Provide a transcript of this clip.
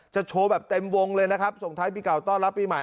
โชว์แบบเต็มวงเลยนะครับส่งท้ายปีเก่าต้อนรับปีใหม่